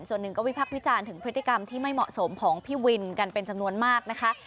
ส่วนหนึ่งก็วิพักษ์วิจารณ์ถึงพฤติกรรมที่ไม่เหมาะสมของพี่วินกันเป็นจำนวนมากนะคะ